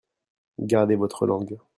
Gardez votre langue.